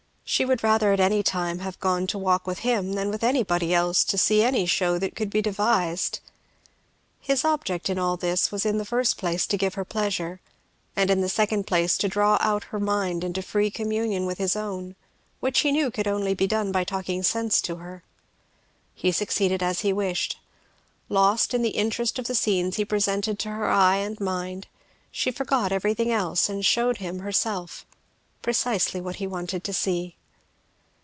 She would rather at any time have gone to walk with him, than with anybody else to see any show that could be devised. His object in all this was in the first place to give her pleasure, and in the second place to draw out her mind into free communion with his own, which he knew could only be done by talking sense to her. He succeeded as he wished. Lost in the interest of the scenes he presented to her eye and mind, she forgot everything else and shewed him herself; precisely what he wanted to see.